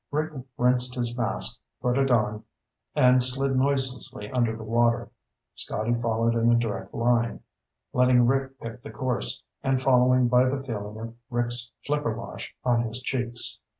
Rick rinsed his mask, put it on, and slid noiselessly under the water. Scotty followed in a direct line, letting Rick pick the course, and following by the feeling of Rick's flipper wash on his cheeks.